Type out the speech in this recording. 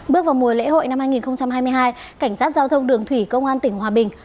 bước vào mùa lễ hội năm hai nghìn hai mươi hai cảnh sát giao thông đường thủy công an tỉnh hòa bình